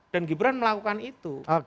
dan gibran melakukan itu